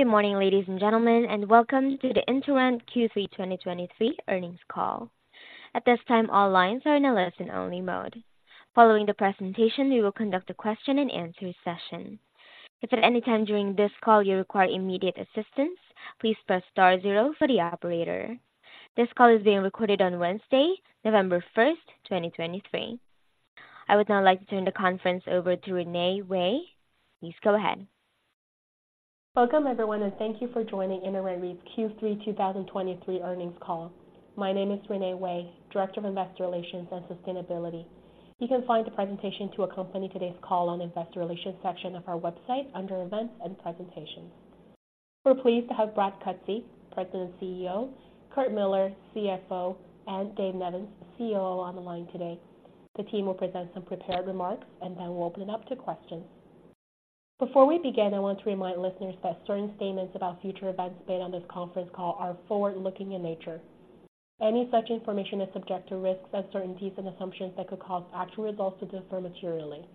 Good morning, ladies and gentlemen, and welcome to the InterRent Q3 2023 earnings call. At this time, all lines are in a listen-only mode. Following the presentation, we will conduct a question-and-answer session. If at any time during this call you require immediate assistance, please press star zero for the operator. This call is being recorded on Wednesday, November 1st, 2023. I would now like to turn the conference over to Renee Wei. Please go ahead. Welcome, everyone, and thank you for joining InterRent REIT's Q3 2023 earnings call. My name is Renee Wei, Director of Investor Relations and Sustainability. You can find the presentation to accompany today's call on the Investor Relations section of our website under Events and Presentations. We're pleased to have Brad Cutsey, President and CEO, Curt Millar, CFO, and Dave Nevins, COO, on the line today. The team will present some prepared remarks, and then we'll open it up to questions. Before we begin, I want to remind listeners that certain statements about future events made on this conference call are forward-looking in nature. Any such information is subject to risks, uncertainties, and assumptions that could cause actual results to differ materially.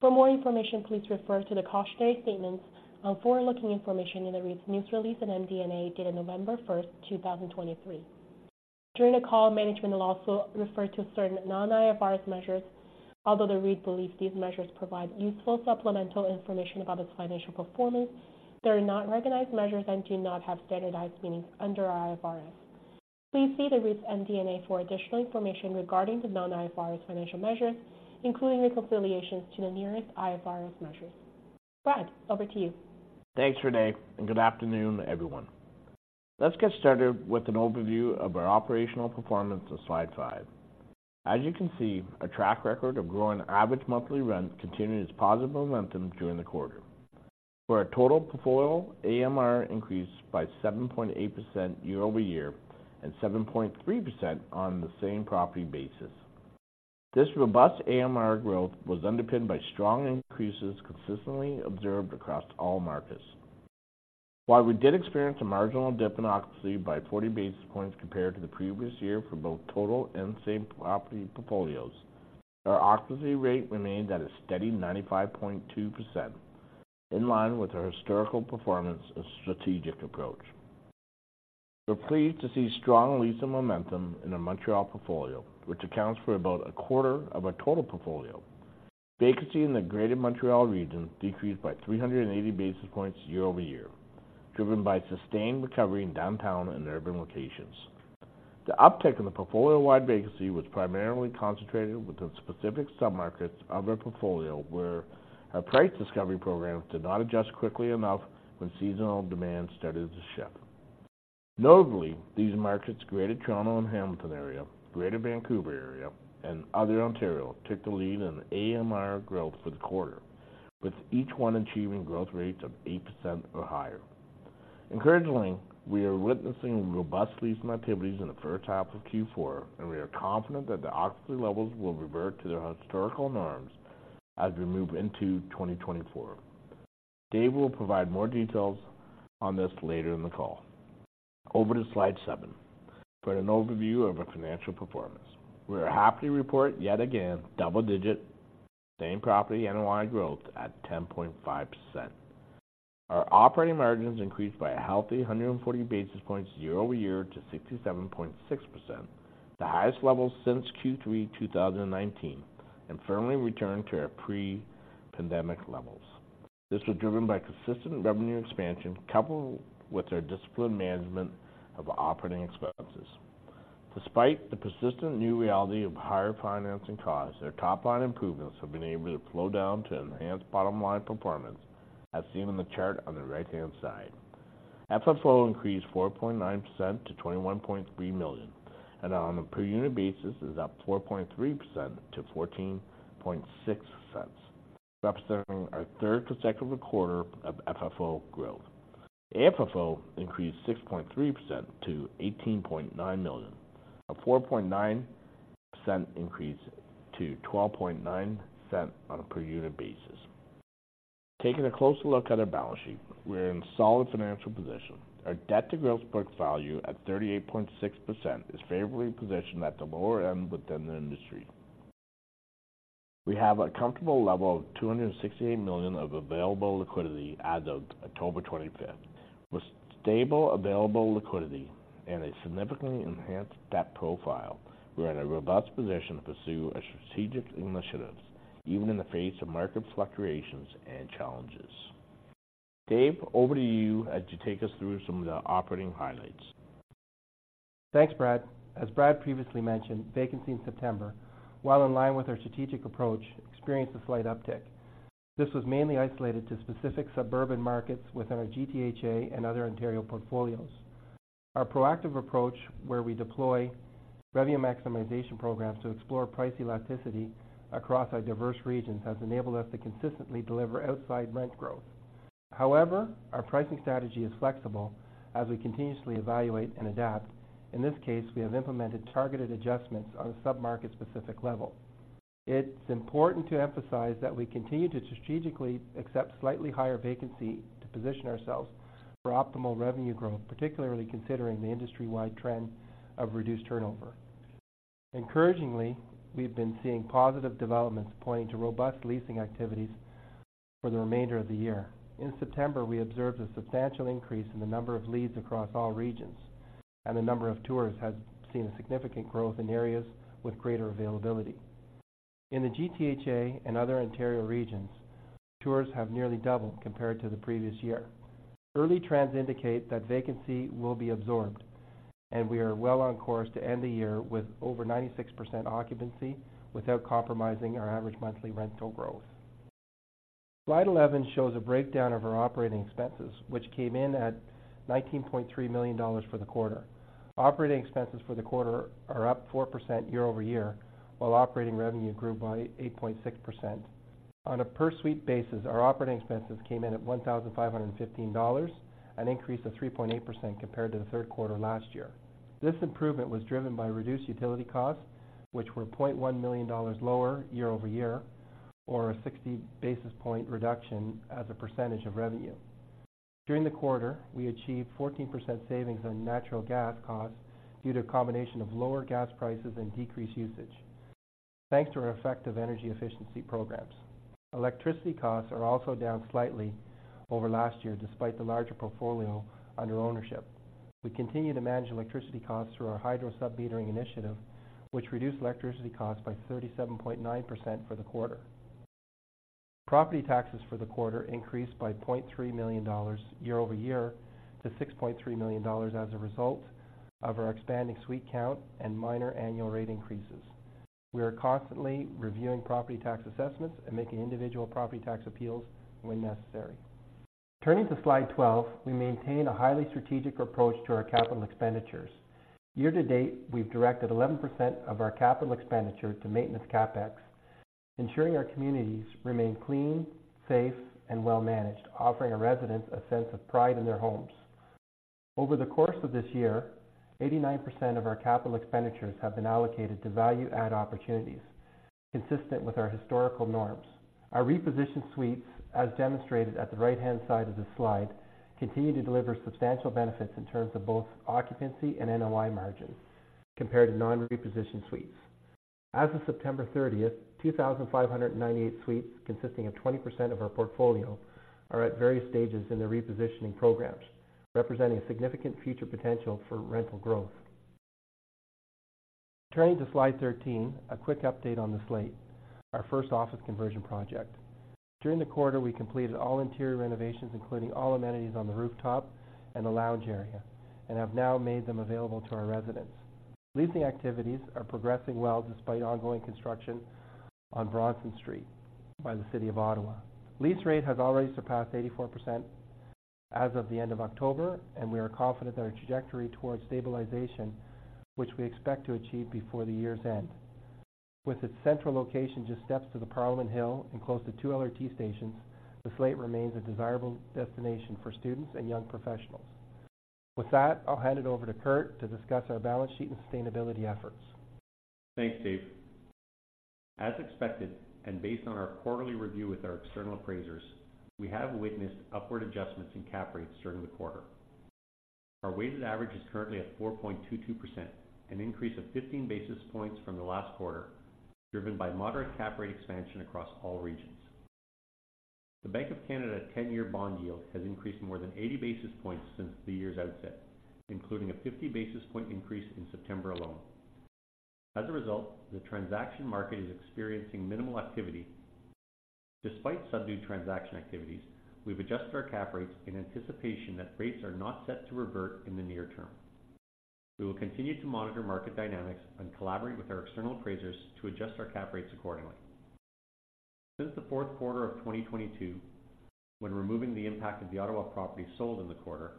For more information, please refer to the cautionary statements on forward-looking information in the REIT's news release and MD&A dated November 1st, 2023. During the call, management will also refer to certain non-IFRS measures. Although the REIT believes these measures provide useful supplemental information about its financial performance, they are not recognized measures and do not have standardized meanings under IFRS. Please see the REIT's MD&A for additional information regarding the non-IFRS financial measures, including reconciliations to the nearest IFRS measures. Brad, over to you. Thanks, Renee, and good afternoon, everyone. Let's get started with an overview of our operational performance on slide 5. As you can see, our track record of growing average monthly rent continued its positive momentum during the quarter. For our total portfolio, AMR increased by 7.8% year-over-year and 7.3% on the same property basis. This robust AMR growth was underpinned by strong increases consistently observed across all markets. While we did experience a marginal dip in occupancy by 40 basis points compared to the previous year for both total and same property portfolios, our occupancy rate remained at a steady 95.2%, in line with our historical performance and strategic approach. We're pleased to see strong leasing momentum in our Montreal portfolio, which accounts for about a quarter of our total portfolio. Vacancy in the Greater Montreal region decreased by 380 basis points year-over-year, driven by sustained recovery in downtown and urban locations. The uptick in the portfolio-wide vacancy was primarily concentrated within specific submarkets of our portfolio, where our price discovery program did not adjust quickly enough when seasonal demand started to shift. Notably, these markets, Greater Toronto and Hamilton Area, Greater Vancouver Area, and other Ontario, took the lead in AMR growth for the quarter, with each one achieving growth rates of 8% or higher. Encouragingly, we are witnessing robust leasing activities in the first half of Q4, and we are confident that the occupancy levels will revert to their historical norms as we move into 2024. Dave will provide more details on this later in the call. Over to slide seven for an overview of our financial performance. We are happy to report yet again double-digit same property NOI growth at 10.5%. Our operating margins increased by a healthy 140 basis points year-over-year to 67.6%, the highest level since Q3 2019, and firmly returned to our pre-pandemic levels. This was driven by consistent revenue expansion, coupled with our disciplined management of operating expenses. Despite the persistent new reality of higher financing costs, our top-line improvements have been able to flow down to enhance bottom-line performance, as seen in the chart on the right-hand side. FFO increased 4.9% to 21.3 million, and on a per-unit basis is up 4.3% to 0.146, representing our third consecutive quarter of FFO growth. AFFO increased 6.3% to 18.9 million, a 4.9% increase to 0.129 on a per-unit basis. Taking a closer look at our balance sheet, we are in solid financial position. Our debt to gross book value at 38.6% is favorably positioned at the lower end within the industry. We have a comfortable level of 268 million of available liquidity as of October 25. With stable available liquidity and a significantly enhanced debt profile, we are in a robust position to pursue our strategic initiatives, even in the face of market fluctuations and challenges. Dave, over to you as you take us through some of the operating highlights. Thanks, Brad. As Brad previously mentioned, vacancy in September, while in line with our strategic approach, experienced a slight uptick. This was mainly isolated to specific suburban markets within our GTHA and other Ontario portfolios. Our proactive approach, where we deploy revenue maximization programs to explore price elasticity across our diverse regions, has enabled us to consistently deliver outside rent growth. However, our pricing strategy is flexible as we continuously evaluate and adapt. In this case, we have implemented targeted adjustments on a submarket-specific level. It's important to emphasize that we continue to strategically accept slightly higher vacancy to position ourselves for optimal revenue growth, particularly considering the industry-wide trend of reduced turnover.... Encouragingly, we've been seeing positive developments pointing to robust leasing activities for the remainder of the year. In September, we observed a substantial increase in the number of leads across all regions, and the number of tours has seen a significant growth in areas with greater availability. In the GTHA and other Ontario regions, tours have nearly doubled compared to the previous year. Early trends indicate that vacancy will be absorbed, and we are well on course to end the year with over 96% occupancy without compromising our average monthly rental growth. Slide 11 shows a breakdown of our operating expenses, which came in at 19.3 million dollars for the quarter. Operating expenses for the quarter are up 4% year-over-year, while operating revenue grew by 8.6%. On a per suite basis, our operating expenses came in at 1,515 dollars, an increase of 3.8% compared to the third quarter last year. This improvement was driven by reduced utility costs, which were 0.1 million dollars lower year-over-year, or a 60 basis point reduction as a percentage of revenue. During the quarter, we achieved 14% savings on natural gas costs due to a combination of lower gas prices and decreased usage, thanks to our effective energy efficiency programs. Electricity costs are also down slightly over last year, despite the larger portfolio under ownership. We continue to manage electricity costs through our hydro sub-metering initiative, which reduced electricity costs by 37.9% for the quarter. Property taxes for the quarter increased by 0.3 million dollars year-over-year to 6.3 million dollars, as a result of our expanding suite count and minor annual rate increases. We are constantly reviewing property tax assessments and making individual property tax appeals when necessary. Turning to slide 12, we maintain a highly strategic approach to our capital expenditures. Year to date, we've directed 11% of our capital expenditure to maintenance CapEx, ensuring our communities remain clean, safe, and well-managed, offering our residents a sense of pride in their homes. Over the course of this year, 89% of our capital expenditures have been allocated to value-add opportunities, consistent with our historical norms. Our repositioned suites, as demonstrated at the right-hand side of this slide, continue to deliver substantial benefits in terms of both occupancy and NOI margins compared to non-repositioned suites. As of September 30th, 2,598 suites, consisting of 20% of our portfolio, are at various stages in their repositioning programs, representing a significant future potential for rental growth. Turning to Slide 13, a quick update on The Slayte, our first office conversion project. During the quarter, we completed all interior renovations, including all amenities on the rooftop and the lounge area, and have now made them available to our residents. Leasing activities are progressing well despite ongoing construction on Bronson Street by the City of Ottawa. Lease rate has already surpassed 84% as of the end of October, and we are confident in our trajectory towards stabilization, which we expect to achieve before the year's end. With its central location, just steps to the Parliament Hill and close to two LRT stations, The Slayte remains a desirable destination for students and young professionals. With that, I'll hand it over to Curt to discuss our balance sheet and sustainability efforts. Thanks, Dave. As expected, and based on our quarterly review with our external appraisers, we have witnessed upward adjustments in cap rates during the quarter. Our weighted average is currently at 4.22%, an increase of 15 basis points from the last quarter, driven by moderate cap rate expansion across all regions. The Bank of Canada ten-year bond yield has increased more than 80 basis points since the year's outset, including a 50 basis point increase in September alone. As a result, the transaction market is experiencing minimal activity. Despite subdued transaction activities, we've adjusted our cap rates in anticipation that rates are not set to revert in the near term. We will continue to monitor market dynamics and collaborate with our external appraisers to adjust our cap rates accordingly. Since the fourth quarter of 2022, when removing the impact of the Ottawa property sold in the quarter,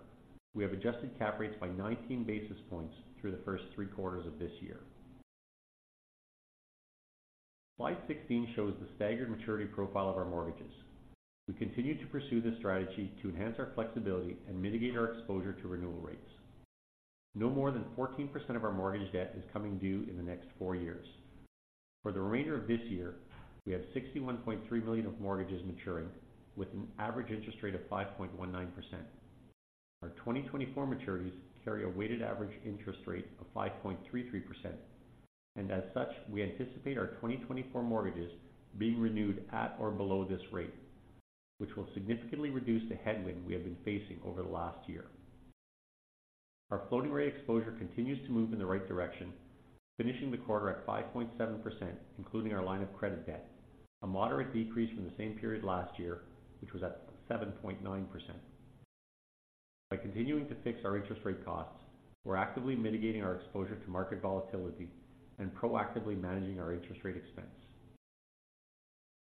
we have adjusted cap rates by 19 basis points through the first three quarters of this year. Slide 16 shows the staggered maturity profile of our mortgages. We continue to pursue this strategy to enhance our flexibility and mitigate our exposure to renewal rates. No more than 14% of our mortgage debt is coming due in the next four years. For the remainder of this year, we have 61.3 million of mortgages maturing with an average interest rate of 5.19%. Our 2024 maturities carry a weighted average interest rate of 5.33%, and as such, we anticipate our 2024 mortgages being renewed at or below this rate, which will significantly reduce the headwind we have been facing over the last year. Our floating rate exposure continues to move in the right direction, finishing the quarter at 5.7%, including our line of credit debt, a moderate decrease from the same period last year, which was at 7.9%. By continuing to fix our interest rate costs, we're actively mitigating our exposure to market volatility and proactively managing our interest rate expense.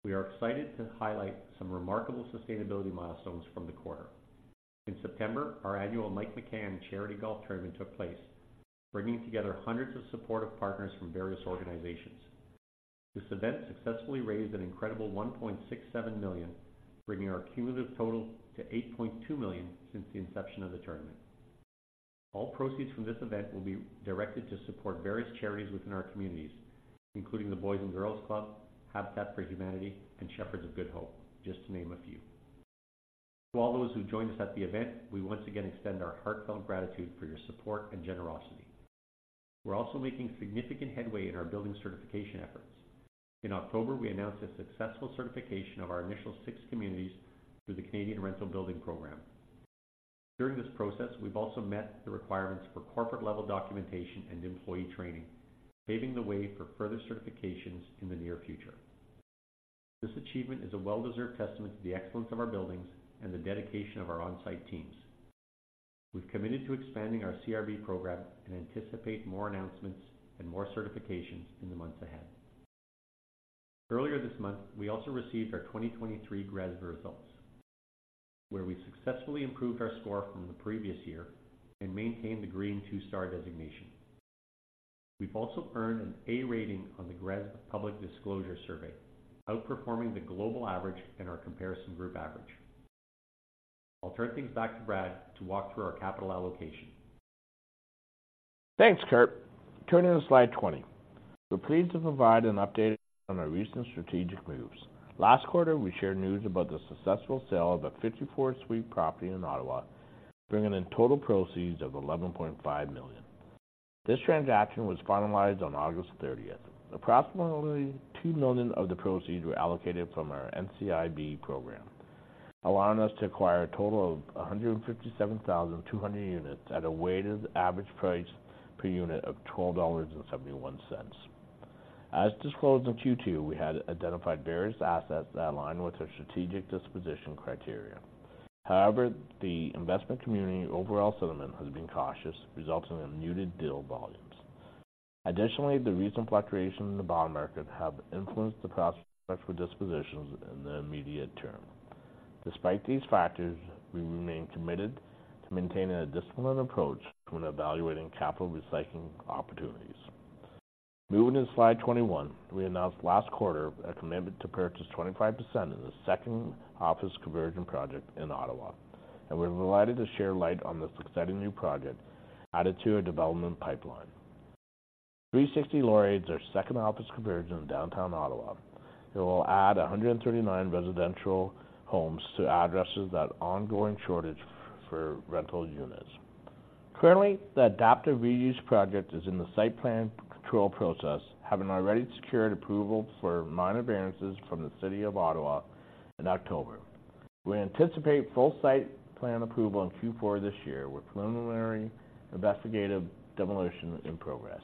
We are excited to highlight some remarkable sustainability milestones from the quarter. In September, our annual Mike McCann Charity Golf Tournament took place, bringing together hundreds of supportive partners from various organizations. This event successfully raised an incredible 1.67 million, bringing our cumulative total to 8.2 million since the inception of the tournament. All proceeds from this event will be directed to support various charities within our communities, including the Boys and Girls Club, Habitat for Humanity, and Shepherds of Good Hope, just to name a few. To all those who joined us at the event, we once again extend our heartfelt gratitude for your support and generosity. We're also making significant headway in our building certification efforts. In October, we announced the successful certification of our initial six communities through the Canadian Rental Building program. During this process, we've also met the requirements for corporate-level documentation and employee training, paving the way for further certifications in the near future. This achievement is a well-deserved testament to the excellence of our buildings and the dedication of our on-site teams. We've committed to expanding our CRB program and anticipate more announcements and more certifications in the months ahead. Earlier this month, we also received our 2023 GRESB results, where we successfully improved our score from the previous year and maintained the Green Two Star designation. We've also earned an A rating on the GRESB Public Disclosure Survey, outperforming the global average and our comparison group average. I'll turn things back to Brad to walk through our capital allocation. Thanks, Curt. Turning to slide 20. We're pleased to provide an update on our recent strategic moves. Last quarter, we shared news about the successful sale of a 54-suite property in Ottawa, bringing in total proceeds of 11.5 million. This transaction was finalized on August 30. Approximately 2 million of the proceeds were allocated from our NCIB program, allowing us to acquire a total of 157,200 units at a weighted average price per unit of 12.71 dollars. As disclosed in Q2, we had identified various assets that align with our strategic disposition criteria. However, the investment community overall sentiment has been cautious, resulting in muted deal volumes. Additionally, the recent fluctuations in the bond market have influenced the process for dispositions in the immediate term. Despite these factors, we remain committed to maintaining a disciplined approach when evaluating capital recycling opportunities. Moving to slide 21, we announced last quarter a commitment to purchase 25% in the second office conversion project in Ottawa, and we're delighted to shed light on this exciting new project added to our development pipeline. 360 Laurier, our second office conversion in downtown Ottawa, it will add 139 residential homes to address that ongoing shortage for rental units. Currently, the adaptive reuse project is in the site plan control process, having already secured approval for minor variances from the City of Ottawa in October. We anticipate full site plan approval in Q4 this year, with preliminary investigative demolition in progress.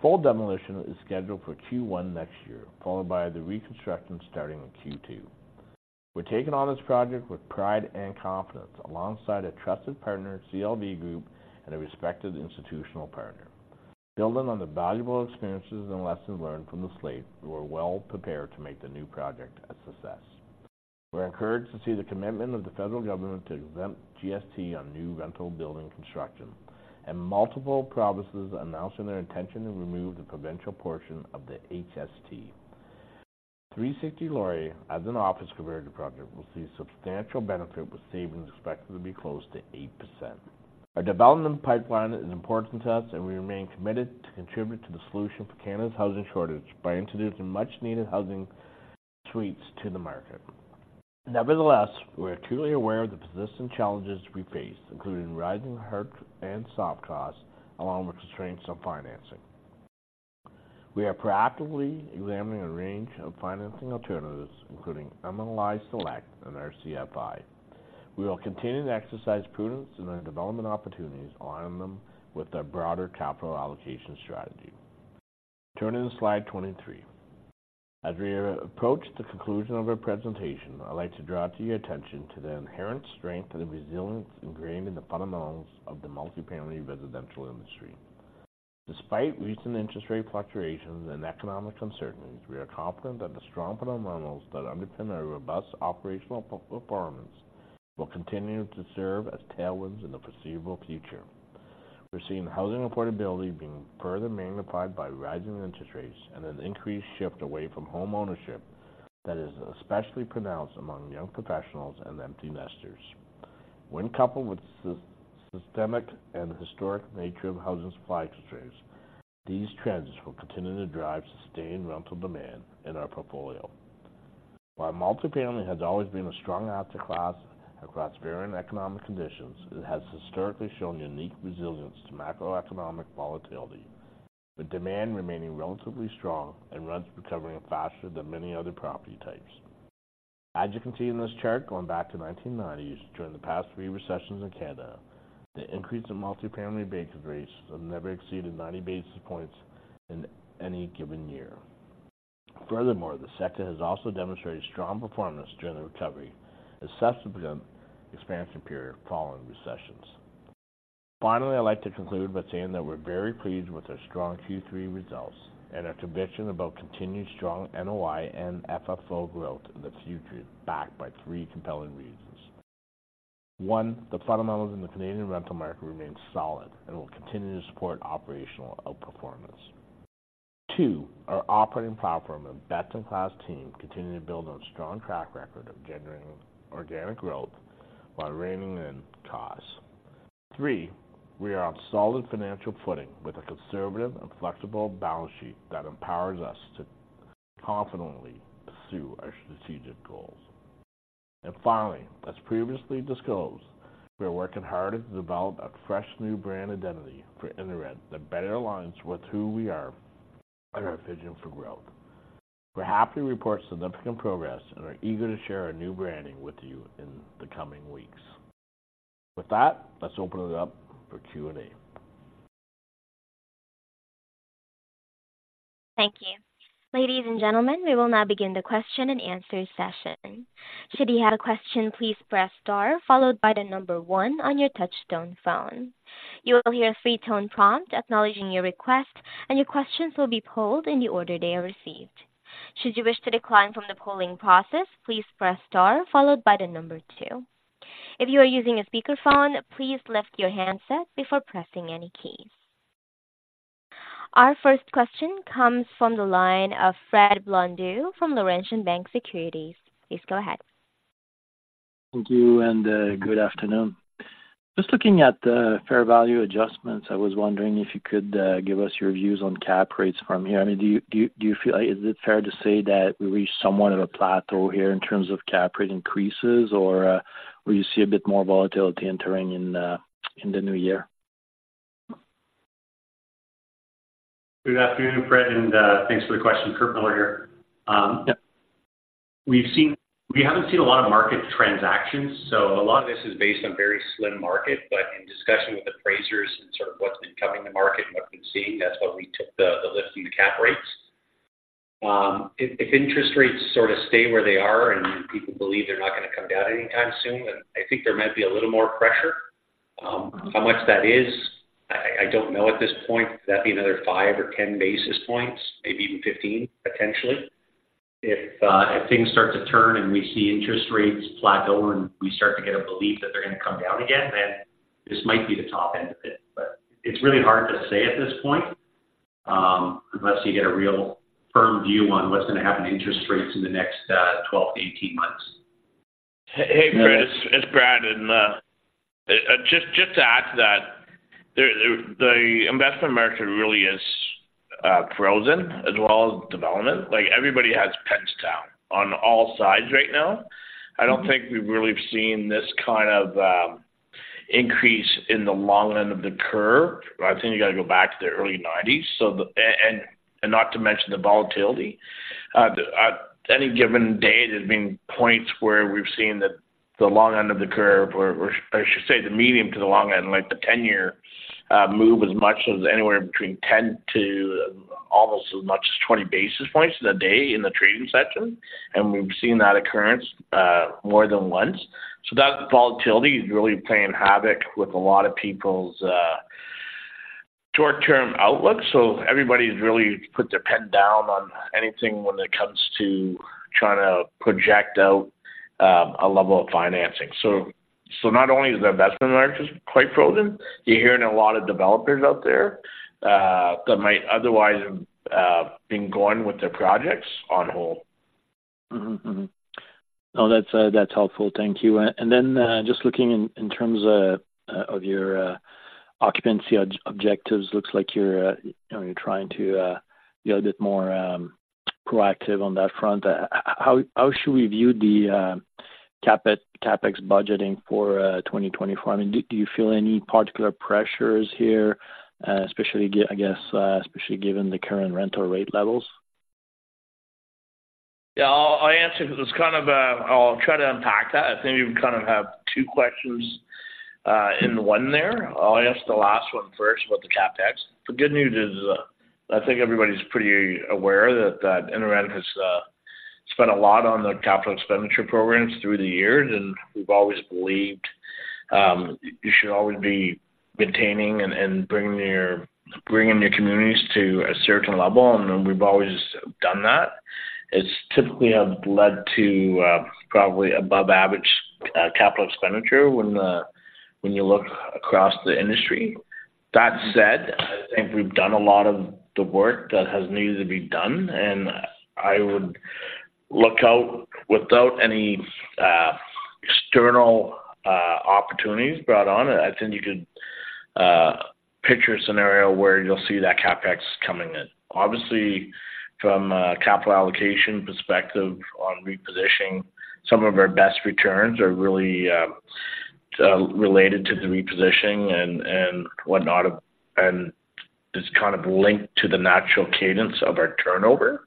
Full demolition is scheduled for Q1 next year, followed by the reconstruction starting in Q2. We're taking on this project with pride and confidence alongside a trusted partner, CLV Group, and a respected institutional partner. Building on the valuable experiences and lessons learned from The Slayte, we're well prepared to make the new project a success. We're encouraged to see the commitment of the federal government to exempt GST on new rental building construction, and multiple provinces announcing their intention to remove the provincial portion of the HST. 360 Laurier, as an office conversion project, will see substantial benefit, with savings expected to be close to 8%. Our development pipeline is important to us, and we remain committed to contribute to the solution for Canada's housing shortage by introducing much-needed housing suites to the market. Nevertheless, we are truly aware of the persistent challenges we face, including rising hard and soft costs, along with constraints on financing. We are proactively examining a range of financing alternatives, including MLI Select and RCFI. We will continue to exercise prudence in our development opportunities, aligning them with our broader capital allocation strategy. Turning to slide 23. As we approach the conclusion of our presentation, I'd like to draw to your attention to the inherent strength and the resilience ingrained in the fundamentals of the multi-family residential industry. Despite recent interest rate fluctuations and economic uncertainties, we are confident that the strong fundamentals that underpin our robust operational performance will continue to serve as tailwinds in the foreseeable future. We're seeing housing affordability being further magnified by rising interest rates and an increased shift away from homeownership that is especially pronounced among young professionals and empty nesters. When coupled with systemic and historic nature of housing supply constraints, these trends will continue to drive sustained rental demand in our portfolio. While multi-family has always been a strong asset class across varying economic conditions, it has historically shown unique resilience to macroeconomic volatility, with demand remaining relatively strong and rents recovering faster than many other property types. As you can see in this chart, going back to 1990s, during the past three recessions in Canada, the increase in multi-family vacancy rates have never exceeded 90 basis points in any given year. Furthermore, the sector has also demonstrated strong performance during the recovery, a subsequent expansion period following recessions. Finally, I'd like to conclude by saying that we're very pleased with our strong Q3 results and our conviction about continued strong NOI and FFO growth in the future, backed by three compelling reasons. One, the fundamentals in the Canadian rental market remain solid and will continue to support operational outperformance. Two, our operating platform and best-in-class team continue to build on a strong track record of generating organic growth while reining in costs. Three, we are on solid financial footing with a conservative and flexible balance sheet that empowers us to confidently pursue our strategic goals. And finally, as previously disclosed, we are working hard to develop a fresh new brand identity for InterRent that better aligns with who we are and our vision for growth. We're happy to report significant progress and are eager to share our new branding with you in the coming weeks. With that, let's open it up for Q&A. Thank you. Ladies and gentlemen, we will now begin the question and answer session. Should you have a question, please press Star, followed by the number 1 on your touchtone phone. You will hear a free tone prompt acknowledging your request, and your questions will be polled in the order they are received. Should you wish to decline from the polling process, please press Star followed by the number 2. If you are using a speakerphone, please lift your handset before pressing any keys. Our first question comes from the line of Fred Blondeau from Laurentian Bank Securities. Please go ahead. Thank you, and good afternoon. Just looking at the fair value adjustments, I was wondering if you could give us your views on cap rates from here. I mean, do you feel like is it fair to say that we reached somewhat of a plateau here in terms of cap rate increases, or will you see a bit more volatility entering in in the new year? Good afternoon, Fred, and thanks for the question. Curt Millar here. We haven't seen a lot of market transactions, so a lot of this is based on very slim market. But in discussion with appraisers and sort of what's been coming to market and what we've been seeing, that's why we took the lift in the cap rates. If interest rates sort of stay where they are and people believe they're not going to come down anytime soon, then I think there might be a little more pressure. How much that is, I don't know at this point, that'd be another 5 or 10 basis points, maybe even 15, potentially. If, if things start to turn and we see interest rates plateau and we start to get a belief that they're going to come down again, then this might be the top end of it, but it's really hard to say at this point, unless you get a real firm view on what's going to happen to interest rates in the next, 12-18 months. Hey, Fred, it's Brad, and just to add to that, the investment market really is frozen as well as development. Like, everybody has pens down on all sides right now. I don't think we've really seen this kind of increase in the long end of the curve. I think you got to go back to the early nineties, so the... and not to mention the volatility. Any given day, there's been points where we've seen that the long end of the curve, or I should say, the medium to the long end, like the ten-year, move as much as anywhere between 10 to almost as much as 20 basis points a day in the trading session. And we've seen that occurrence more than once. So that volatility is really playing havoc with a lot of people's short-term outlook. So everybody's really put their pen down on anything when it comes to trying to project out a level of financing. So not only is the investment market quite frozen, you're hearing a lot of developers out there that might otherwise have been going with their projects on hold. Mm-hmm. Mm-hmm. No, that's helpful. Thank you. And then, just looking in terms of your occupancy objectives, looks like you're, you know, you're trying to be a bit more proactive on that front. How should we view the CapEx budgeting for 2024? I mean, do you feel any particular pressures here, especially I guess, especially given the current rental rate levels? Yeah, I'll answer because it's kind of a... I'll try to unpack that. I think you kind of have two questions in one there. I'll answer the last one first about the CapEx. The good news is, I think everybody's pretty aware that InterRent has spent a lot on the capital expenditure programs through the years, and we've always believed you should always be maintaining and bringing your-- bringing your communities to a certain level, and we've always done that. It's typically have led to probably above average capital expenditure when you look across the industry. That said, I think we've done a lot of the work that has needed to be done, and I would look out without any external opportunities brought on. I think you could picture a scenario where you'll see that CapEx coming in. Obviously, from a capital allocation perspective on repositioning, some of our best returns are really related to the repositioning and whatnot, and it's kind of linked to the natural cadence of our turnover.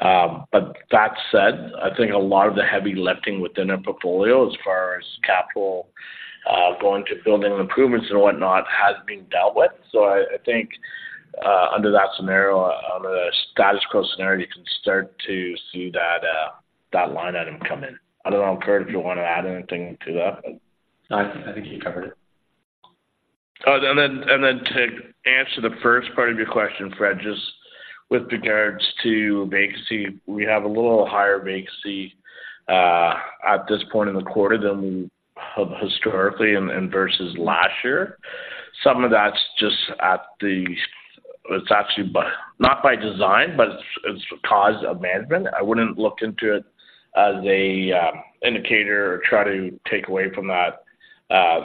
But that said, I think a lot of the heavy lifting within our portfolio, as far as capital going to building improvements and whatnot, has been dealt with. So I think under that scenario, under the status quo scenario, you can start to see that line item come in. I don't know, Curt, if you want to add anything to that? I think you covered it. And then to answer the first part of your question, Fred, just with regards to vacancy, we have a little higher vacancy at this point in the quarter than we have historically and versus last year. Some of that's just at the, it's actually, but not by design, but it's because of management. I wouldn't look into it as an indicator or try to take away from that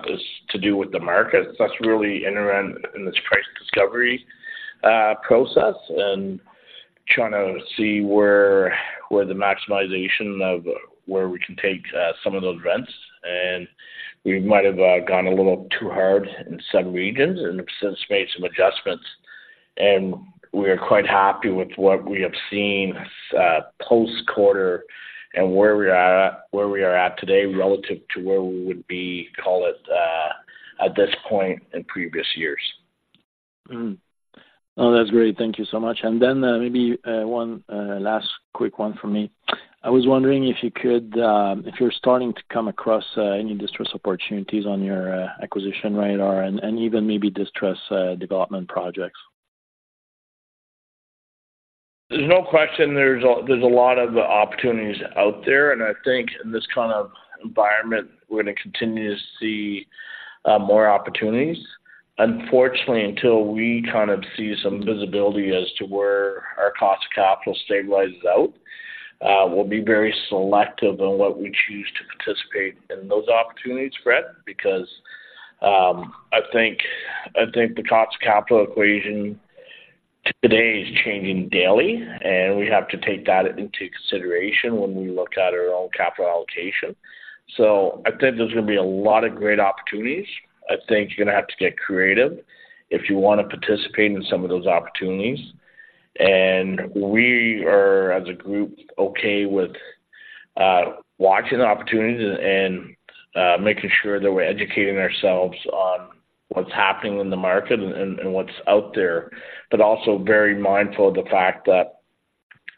is to do with the market. That's really interim in this price discovery process and trying to see where the maximization of where we can take some of those rents. And we might have gone a little too hard in some regions and have since made some adjustments. We are quite happy with what we have seen post-quarter and where we are, where we are at today relative to where we would be, call it, at this point in previous years. Mm-hmm. Oh, that's great. Thank you so much. And then, maybe, one, last quick one for me. I was wondering if you could... If you're starting to come across, any distressed opportunities on your, acquisition radar and, and even maybe distressed, development projects? There's no question, there's a lot of opportunities out there, and I think in this kind of environment, we're going to continue to see more opportunities. Unfortunately, until we kind of see some visibility as to where our cost of capital stabilizes out, we'll be very selective in what we choose to participate in those opportunities, Fred. Because I think the cost of capital equation today is changing daily, and we have to take that into consideration when we look at our own capital allocation. So I think there's going to be a lot of great opportunities. I think you're going to have to get creative if you want to participate in some of those opportunities. We are, as a group, okay with watching the opportunities and making sure that we're educating ourselves on what's happening in the market and what's out there, but also very mindful of the fact that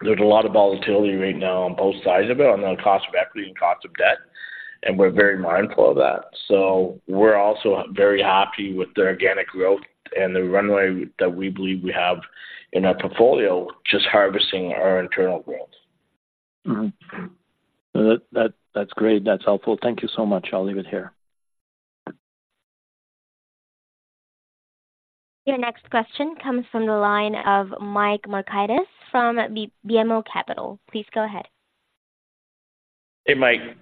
there's a lot of volatility right now on both sides of it, on the cost of equity and cost of debt, and we're very mindful of that. We're also very happy with the organic growth and the runway that we believe we have in our portfolio, just harvesting our internal growth. Mm-hmm. That, that, that's great. That's helpful. Thank you so much. I'll leave it here. Your next question comes from the line of Mike Markidis from BMO Capital. Please go ahead. Hey, Mike.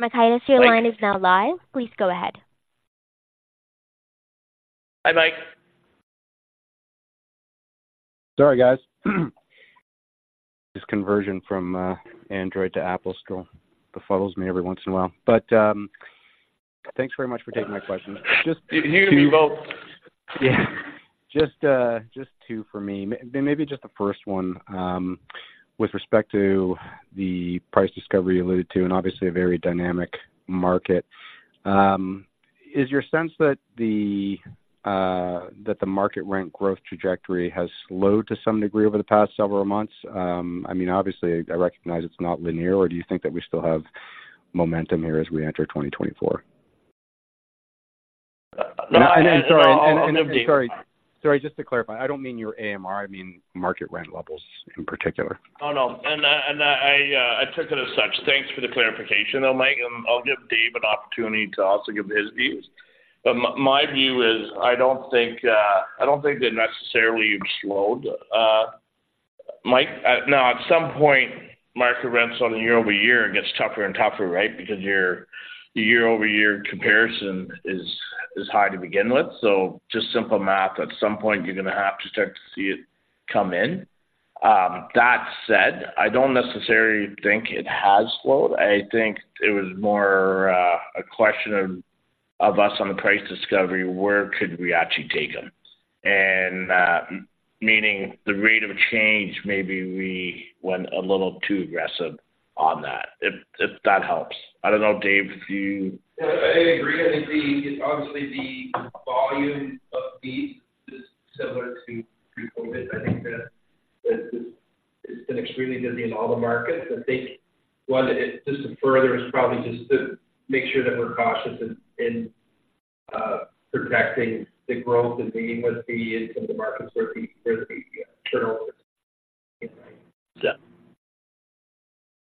Markidis, your line is now live. Please go ahead. Hi, Mike. Sorry, guys. This conversion from Android to Apple still befuddles me every once in a while. But, thanks very much for taking my question. Just- You hear me well? Yeah. Just, just two for me. Maybe just the first one, with respect to the price discovery you alluded to, and obviously a very dynamic market. Is your sense that the market rent growth trajectory has slowed to some degree over the past several months? I mean, obviously, I recognize it's not linear, or do you think that we still have momentum here as we enter 2024? And then, sorry, and sorry. Sorry, just to clarify, I don't mean your AMR, I mean market rent levels in particular. Oh, no. And I took it as such. Thanks for the clarification, though, Mike. I'll give Dave an opportunity to also give his views. But my view is, I don't think they necessarily slowed. Mike, now, at some point, market rents on a year-over-year gets tougher and tougher, right? Because your year-over-year comparison is high to begin with. So just simple math, at some point, you're going to have to start to see it come in. That said, I don't necessarily think it has slowed. I think it was more a question of us on the price discovery, where could we actually take them? And meaning the rate of change, maybe we went a little too aggressive on that, if that helps. I don't know, Dave, if you- Yeah, I agree. I think the—obviously, the volume of fees is similar to COVID. I think that it's been extremely busy in all the markets. I think one just to further is probably just to make sure that we're cautious in protecting the growth that we must be in some of the markets where we turn over. Yeah.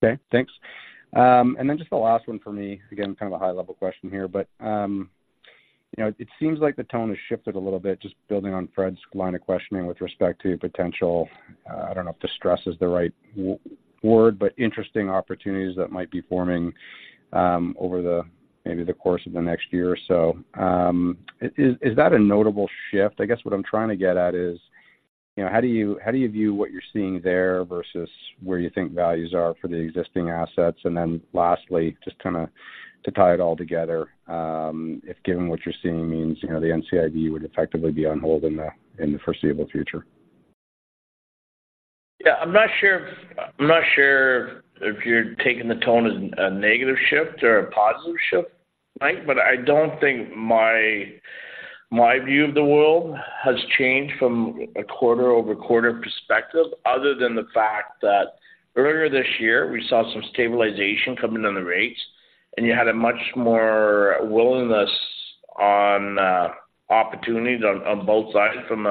Okay, thanks. And then just the last one for me, again, kind of a high-level question here, but, you know, it seems like the tone has shifted a little bit, just building on Fred's line of questioning with respect to potential, I don't know if distress is the right word, but interesting opportunities that might be forming, over, maybe the course of the next year or so. Is that a notable shift? I guess what I'm trying to get at is, you know, how do you, how do you view what you're seeing there versus where you think values are for the existing assets? And then lastly, just kinda to tie it all together, if given what you're seeing means, you know, the NCIB would effectively be on hold in the foreseeable future. Yeah, I'm not sure if you're taking the tone as a negative shift or a positive shift, Mike, but I don't think my view of the world has changed from a quarter-over-quarter perspective, other than the fact that earlier this year, we saw some stabilization coming on the rates, and you had a much more willingness on opportunities on both sides from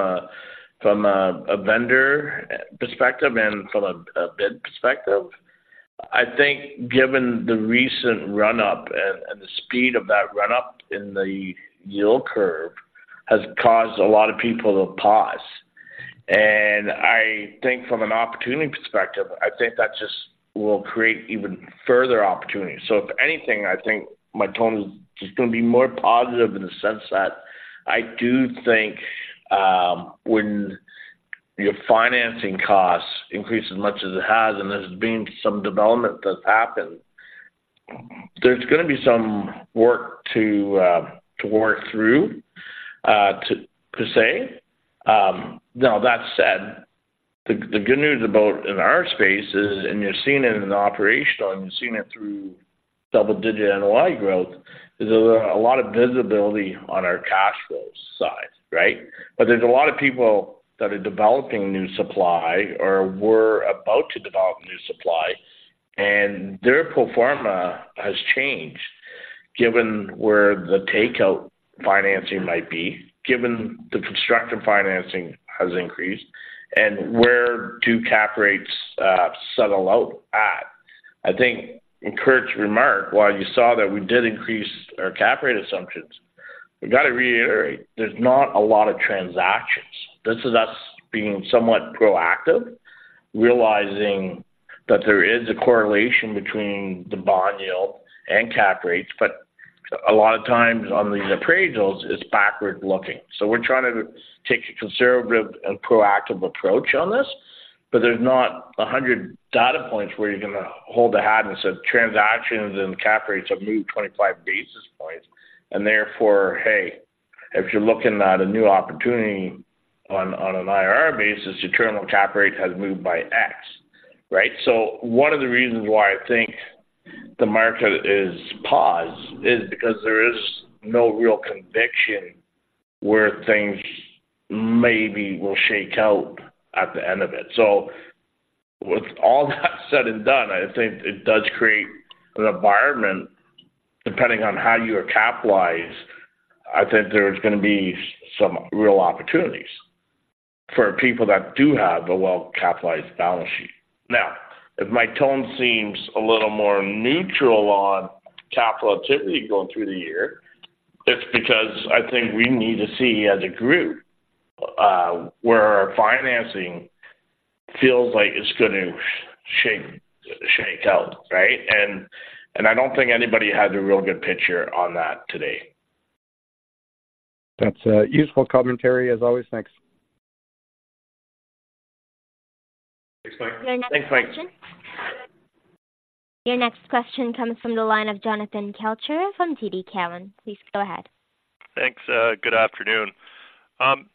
a vendor perspective and from a bid perspective. I think given the recent run-up and the speed of that run-up in the yield curve has caused a lot of people to pause. And I think from an opportunity perspective, I think that just will create even further opportunities. So if anything, I think my tone is just going to be more positive in the sense that I do think, when your financing costs increase as much as it has, and there's been some development that's happened, there's gonna be some work to work through, to per se. Now, that said, the good news about in our space is, and you're seeing it in operational, and you're seeing it through double-digit NOI growth, is there a lot of visibility on our cash flow side, right? But there's a lot of people that are developing new supply or were about to develop new supply, and their pro forma has changed, given where the takeout financing might be, given the constructive financing has increased, and where do cap rates settle out at? I think in Curt's remark, while you saw that we did increase our cap rate assumptions, we got to reiterate, there's not a lot of transactions. This is us being somewhat proactive, realizing that there is a correlation between the bond yield and cap rates, but a lot of times on these appraisals, it's backward-looking. So we're trying to take a conservative and proactive approach on this, but there's not 100 data points where you're going to hold a hat and say, transactions and cap rates have moved 25 basis points. And therefore, hey, if you're looking at a new opportunity on, on an IRR basis, your terminal cap rate has moved by X, right? So one of the reasons why I think the market is paused, is because there is no real conviction where things maybe will shake out at the end of it. So with all that said and done, I think it does create an environment, depending on how you are capitalized. I think there's going to be some real opportunities for people that do have a well-capitalized balance sheet. Now, if my tone seems a little more neutral on capital activity going through the year, it's because I think we need to see as a group where our financing feels like it's going to shake out, right? And I don't think anybody has a real good picture on that today. That's useful commentary as always. Thanks. Thanks, Mike. Your next question- Thanks, Mike. Your next question comes from the line of Jonathan Kelcher from TD Cowen. Please go ahead. Thanks. Good afternoon.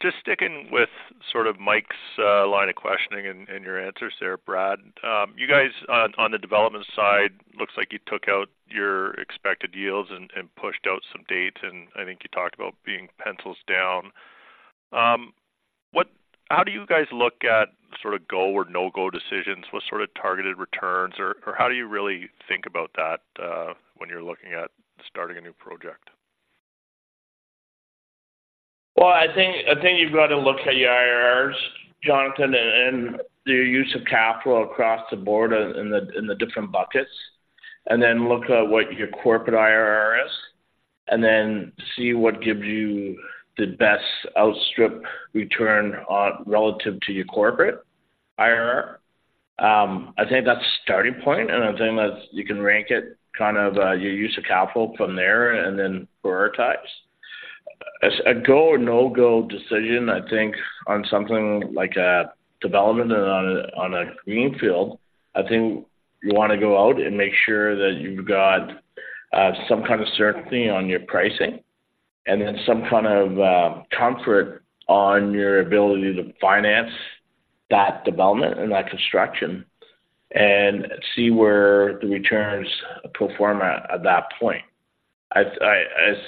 Just sticking with sort of Mike's line of questioning and your answers there, Brad. You guys on the development side, looks like you took out your expected yields and pushed out some dates, and I think you talked about being pencils down. What—How do you guys look at sort of go or no-go decisions? What sort of targeted returns, or how do you really think about that when you're looking at starting a new project? Well, I think you've got to look at your IRRs, Jonathan, and your use of capital across the board in the different buckets, and then look at what your corporate IRR is, and then see what gives you the best outstrip return on relative to your corporate IRR. I think that's a starting point, and I think that you can rank it, kind of, your use of capital from there, and then prioritize. A go or no-go decision, I think on something like a development on a greenfield, I think you want to go out and make sure that you've got some kind of certainty on your pricing, and then some kind of comfort on your ability to finance that development and that construction, and see where the returns pro forma at that point. As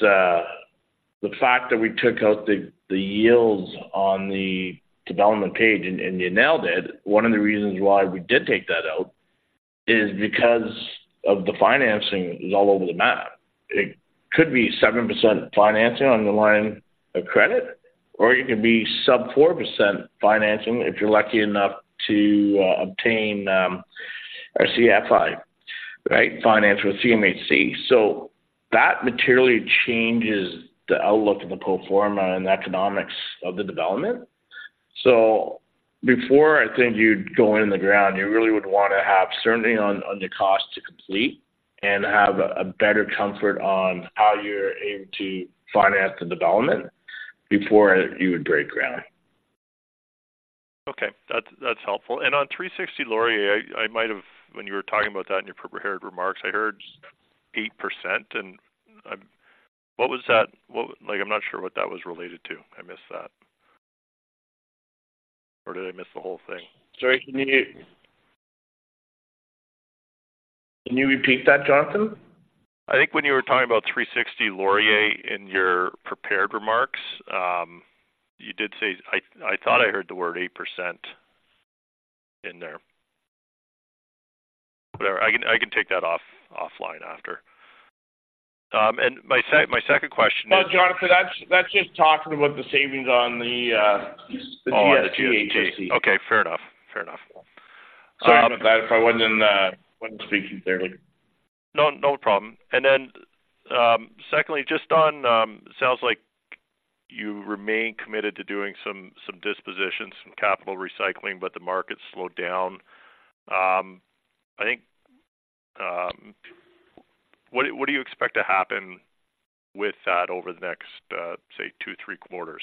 the fact that we took out the yields on the development page, and you nailed it. One of the reasons why we did take that out is because of the financing is all over the map. It could be 7% financing on the line of credit, or it could be sub-4% financing, if you're lucky enough to obtain an RCFI, right? Finance with CMHC. So that materially changes the outlook of the pro forma and economics of the development. So before I think you'd go in the ground, you really would want to have certainty on the cost to complete and have a better comfort on how you're aiming to finance the development before you would break ground. Okay, that's helpful. And on 360 Laurier, I might have... When you were talking about that in your prepared remarks, I heard 8%, and I'm—what was that? Like, I'm not sure what that was related to. I missed that. Or did I miss the whole thing? Sorry, can you, can you repeat that, Jonathan? I think when you were talking about 360 Laurier in your prepared remarks, you did say... I thought I heard the word 8% in there.... I can take that offline after. And my second question is- Well, Jonathan, that's, that's just talking about the savings on the CMHC. Oh, on the CMHC. Okay, fair enough. Fair enough. Sorry about that, if I wasn't speaking clearly. No, no problem. And then, secondly, just on sounds like you remain committed to doing some, some dispositions, some capital recycling, but the market's slowed down. I think, what do, what do you expect to happen with that over the next, say, two, three quarters?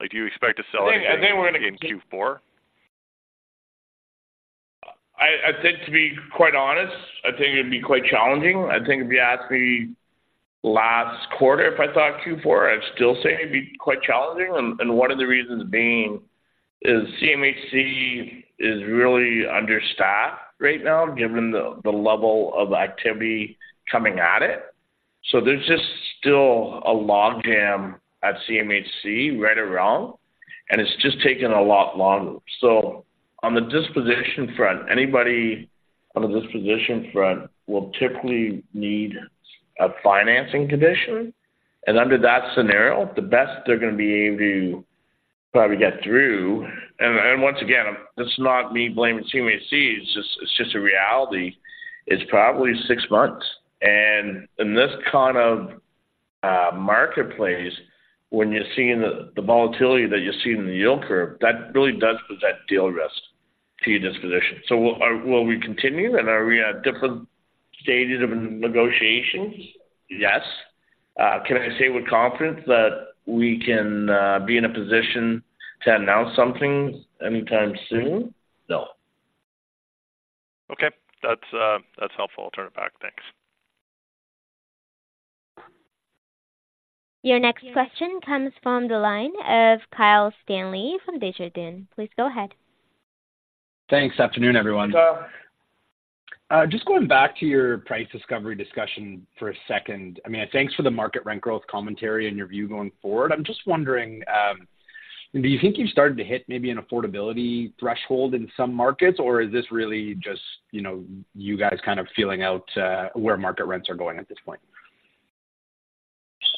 Like, do you expect to sell anything- I think we're gonna- -in Q4? I, I think to be quite honest, I think it'd be quite challenging. I think if you asked me last quarter, if I thought Q4, I'd still say it'd be quite challenging, and, and one of the reasons being is CMHC is really understaffed right now, given the, the level of activity coming at it. So there's just still a logjam at CMHC right around, and it's just taking a lot longer. So on the disposition front, anybody on the disposition front will typically need a financing condition, and under that scenario, the best they're gonna be able to probably get through... And, and once again, this is not me blaming CMHC, it's just, it's just a reality. It's probably six months. In this kind of marketplace, when you're seeing the volatility that you're seeing in the yield curve, that really does present deal risk to your disposition. So will we continue, and are we at different stages of negotiations? Yes. Can I say with confidence that we can be in a position to announce something anytime soon? No. Okay. That's, that's helpful. I'll turn it back. Thanks. Your next question comes from the line of Kyle Stanley from Desjardins. Please go ahead. Thanks. Afternoon, everyone. Hello. Just going back to your price discovery discussion for a second. I mean, thanks for the market rent growth commentary and your view going forward. I'm just wondering, do you think you've started to hit maybe an affordability threshold in some markets? Or is this really just, you know, you guys kind of feeling out, where market rents are going at this point?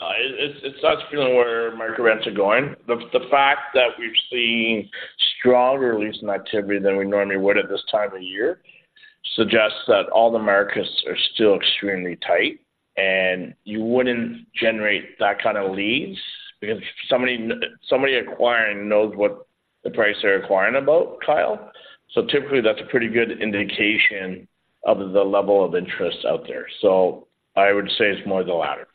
It's not feeling where market rents are going. The fact that we've seen stronger leasing activity than we normally would at this time of year suggests that all the markets are still extremely tight, and you wouldn't generate that kind of leads, because somebody acquiring knows what the price they're acquiring about, Kyle. So typically, that's a pretty good indication of the level of interest out there. So I would say it's more the latter.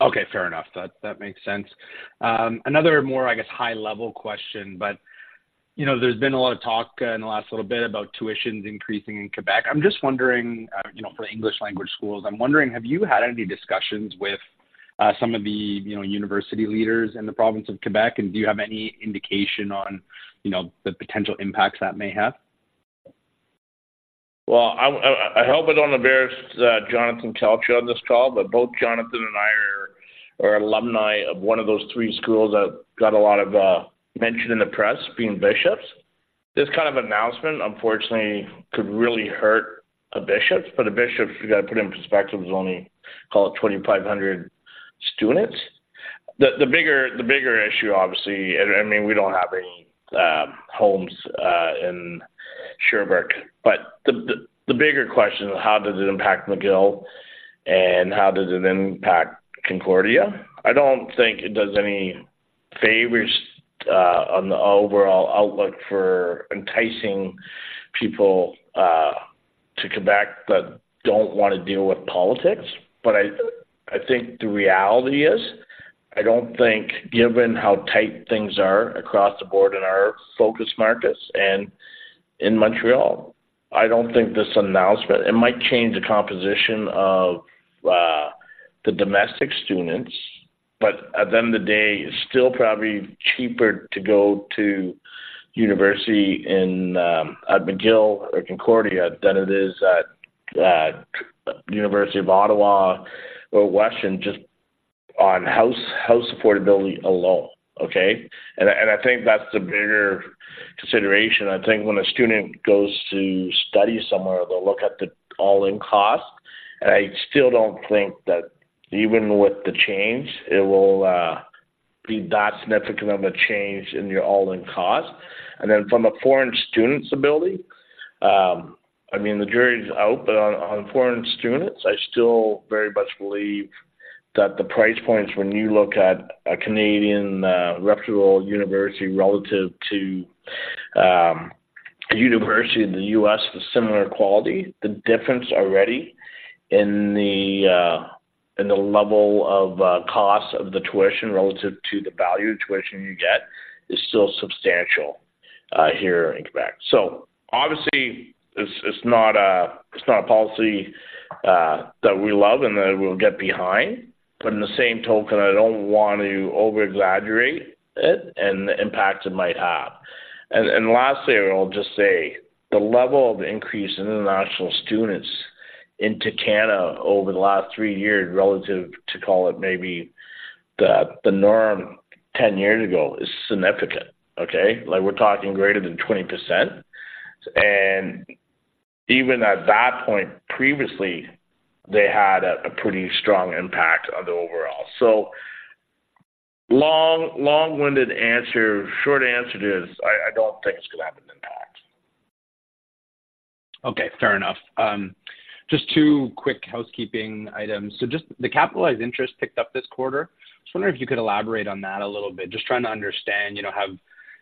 Okay, fair enough. That makes sense. Another more, I guess, high-level question, but, you know, there's been a lot of talk in the last little bit about tuitions increasing in Quebec. I'm just wondering, you know, for the English language schools, I'm wondering, have you had any discussions with some of the, you know, university leaders in the province of Quebec? And do you have any indication on, you know, the potential impacts that may have? Well, I hope I don't embarrass Jonathan Kelcher on this call, but both Jonathan and I are alumni of one of those three schools that got a lot of mention in the press, being Bishops. This kind of announcement, unfortunately, could really hurt a Bishops, but a Bishops, you got to put it in perspective, is only, call it, 2,500 students. The bigger issue, obviously, I mean, we don't have any homes in Sherbrooke, but the bigger question is: How does it impact McGill, and how does it impact Concordia? I don't think it does any favors on the overall outlook for enticing people to Quebec that don't want to deal with politics. But I think the reality is, I don't think given how tight things are across the board in our focus markets and in Montreal, I don't think this announcement. It might change the composition of the domestic students, but at the end of the day, it's still probably cheaper to go to university in at McGill or Concordia than it is at University of Ottawa or Western, just on house affordability alone, okay? And I think that's the bigger consideration. I think when a student goes to study somewhere, they'll look at the all-in cost, and I still don't think that even with the change, it will be that significant of a change in your all-in cost. From a foreign student's ability, I mean, the jury is out, but on foreign students, I still very much believe that the price points, when you look at a Canadian reputable university relative to a university in the U.S., the similar quality, the difference already in the level of cost of the tuition relative to the value of tuition you get, is still substantial here in Quebec. So obviously, it's not a policy that we love and that we'll get behind, but in the same token, I don't want to over-exaggerate it and the impact it might have. And lastly, I'll just say, the level of increase in international students in Canada over the last three years relative to call it maybe the norm 10 years ago, is significant, okay? Like, we're talking greater than 20%. And even at that point, previously, they had a pretty strong impact on the overall. So long, long-winded answer. Short answer is, I don't think it's going to have an impact. Okay, fair enough. Just two quick housekeeping items. So just the capitalized interest picked up this quarter. Just wondering if you could elaborate on that a little bit. Just trying to understand, you know,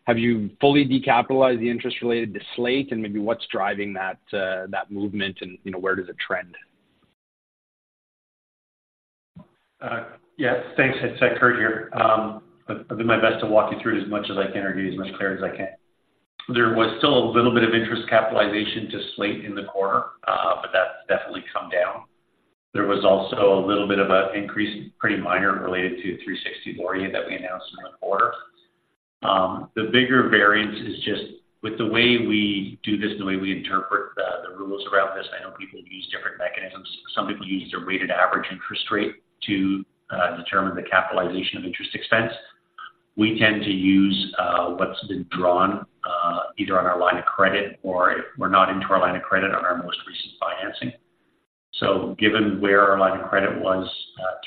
have you fully decapitalized the interest related to Slate? And maybe what's driving that, that movement and, you know, where does it trend? Yes, thanks. It's Curt here. I'll do my best to walk you through as much as I can, or be as clear as I can. There was still a little bit of interest capitalization to Slate in the quarter, but that's definitely come down. There was also a little bit of an increase, pretty minor, related to 360 Laurier that we announced in the quarter. The bigger variance is just with the way we do this and the way we interpret the rules around this. I know people use different mechanisms. Some people use their weighted average interest rate to determine the capitalization of interest expense. We tend to use what's been drawn, either on our line of credit or if we're not into our line of credit, on our most recent financing. So given where our line of credit was,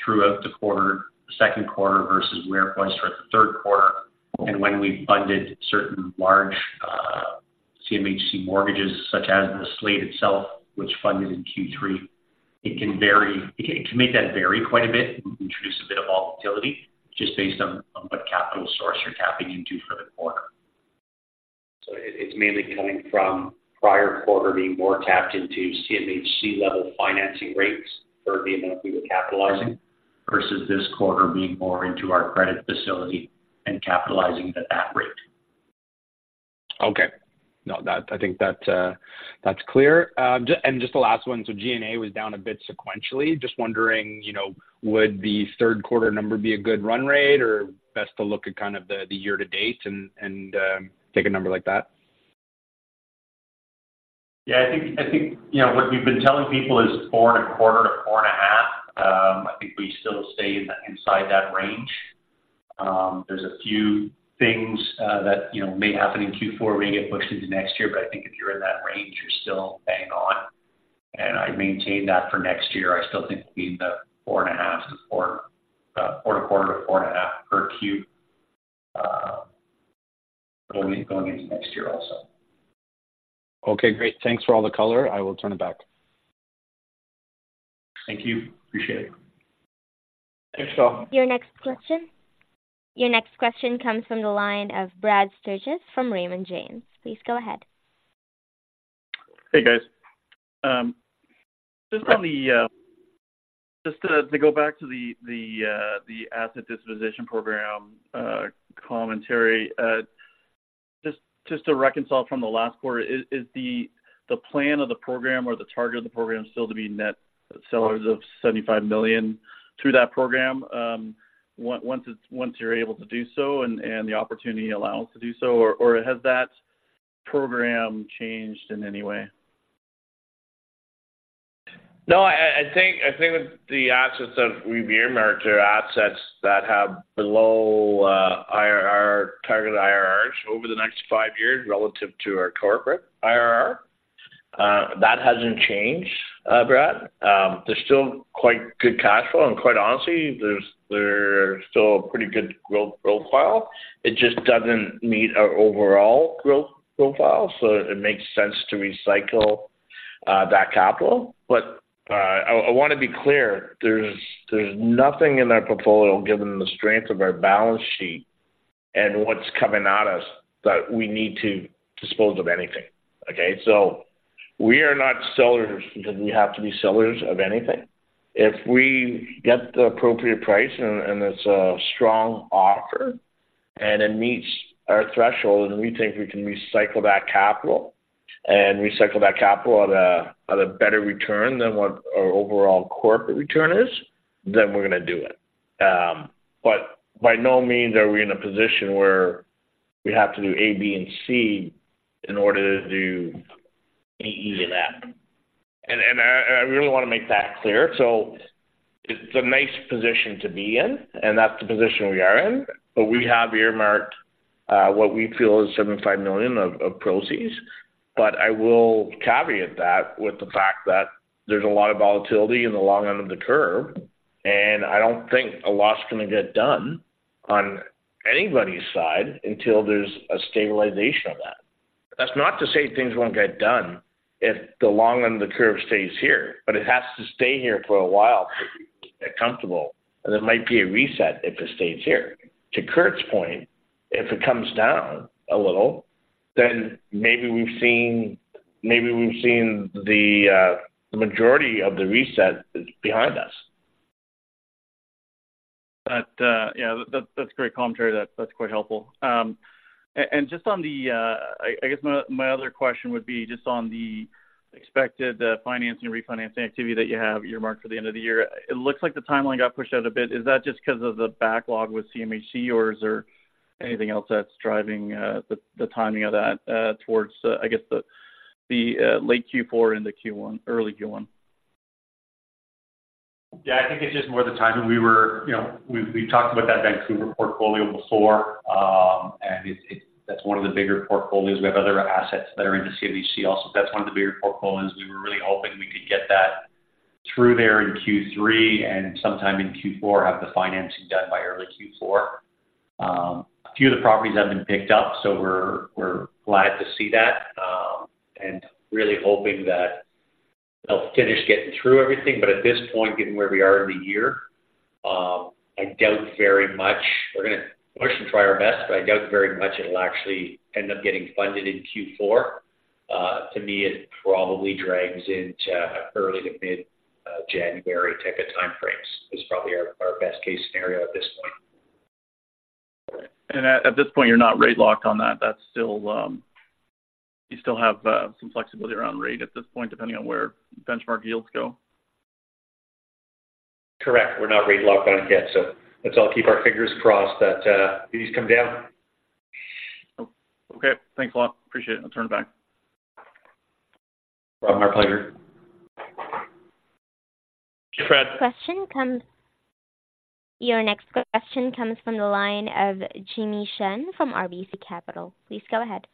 throughout the quarter, the second quarter, versus where it was throughout the third quarter, and when we funded certain large, CMHC mortgages, such as The Slayte itself, which funded in Q3, it can vary. It can, it can make that vary quite a bit and introduce a bit of volatility just based on, on what capital source you're tapping into for the quarter. So it, it's mainly coming from prior quarter being more tapped into CMHC-level financing rates for the amount we were capitalizing, versus this quarter being more into our credit facility and capitalizing at that rate. Okay. No, that, I think that's clear. Just, and just the last one. So GNA was down a bit sequentially. Just wondering, you know, would the third quarter number be a good run rate, or best to look at kind of the year to date and take a number like that? Yeah, I think, I think, you know, what we've been telling people is 4.25-4.5. I think we still stay inside that range. There's a few things, you know, that may happen in Q4, may get pushed into next year. But I think if you're in that range, you're still bang on, and I maintain that for next year. I still think between the 4.5 to 4, 4.25-4.5 per Q, going into next year also. Okay, great. Thanks for all the color. I will turn it back. Thank you. Appreciate it. Thanks, y'all. Your next question. Your next question comes from the line of Brad Sturges from Raymond James. Please go ahead. Hey, guys. Just on the asset disposition program commentary. Just to reconcile from the last quarter, is the plan of the program or the target of the program still to be net sellers of 75 million through that program, once you're able to do so and the opportunity allows to do so, or has that program changed in any way? No, I think with the assets that we've earmarked are assets that have below IRR target IRRs over the next five years relative to our corporate IRR. That hasn't changed, Brad. They're still quite good cash flow, and quite honestly, they're still a pretty good growth profile. It just doesn't meet our overall growth profile, so it makes sense to recycle that capital. But, I want to be clear, there's nothing in our portfolio, given the strength of our balance sheet and what's coming at us, that we need to dispose of anything, okay? So we are not sellers because we have to be sellers of anything. If we get the appropriate price, and it's a strong offer, and it meets our threshold, and we think we can recycle that capital and recycle that capital at a better return than what our overall corporate return is, then we're going to do it. But by no means are we in a position where we have to do A, B, and C in order to do E, E, and F. And I really want to make that clear. So it's a nice position to be in, and that's the position we are in. But we have earmarked what we feel is 75 million of proceeds. But I will caveat that with the fact that there's a lot of volatility in the long end of the curve, and I don't think a lot's going to get done on anybody's side until there's a stabilization of that. That's not to say things won't get done if the long end of the curve stays here, but it has to stay here for a while for people to get comfortable, and there might be a reset if it stays here. To Curt's point, if it comes down a little, then maybe we've seen, maybe we've seen the, the majority of the reset is behind us. But, yeah, that's great commentary. That's quite helpful. And just on the, I guess my other question would be just on the expected financing and refinancing activity that you have earmarked for the end of the year. It looks like the timeline got pushed out a bit. Is that just because of the backlog with CMHC, or is there anything else that's driving the timing of that towards, I guess, the late Q4 into Q1, early Q1? Yeah, I think it's just more the timing. We were. You know, we, we've talked about that Vancouver portfolio before, and it, that's one of the bigger portfolios. We have other assets that are in the CMHC also. That's one of the bigger portfolios. We were really hoping we could get that through there in Q3, and sometime in Q4, have the financing done by early Q4. A few of the properties have been picked up, so we're glad to see that, and really hoping that they'll finish getting through everything. But at this point, given where we are in the year, I doubt very much... We're going to push and try our best, but I doubt very much it'll actually end up getting funded in Q4. To me, it probably drags into early to mid January type of time frames. It's probably our best-case scenario at this point. At this point, you're not rate locked on that. That's still, you still have some flexibility around rate at this point, depending on where benchmark yields go? Correct. We're not rate locked on it yet, so let's all keep our fingers crossed that these come down. Oh, okay. Thanks a lot. Appreciate it. I'll turn it back. Brad, my pleasure. Thank you, Fred. Your next question comes from the line of Jimmy Shan from RBC Capital. Please go ahead.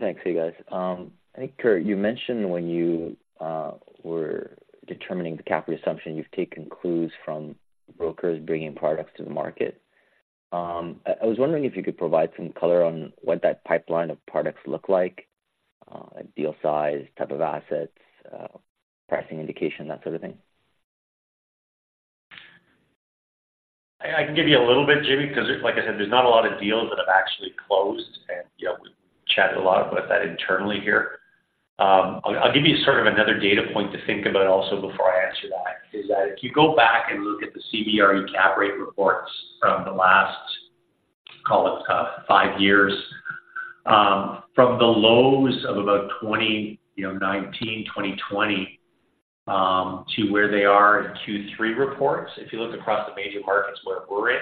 Thanks to you, guys. I think, Curt, you mentioned when you were determining the capital assumption, you've taken clues from brokers bringing products to the market. I was wondering if you could provide some color on what that pipeline of products look like, deal size, type of assets, pricing indication, that sort of thing. I can give you a little bit, Jimmy, because like I said, there's not a lot of deals that have actually closed, and, you know, we've chatted a lot about that internally here. I'll give you sort of another data point to think about also before I answer that, is that if you go back and look at the CBRE cap rate reports from the last, call it, 5 years, from the lows of about 20, you know, 2019, 2020, to where they are in Q3 reports. If you look across the major markets where we're in,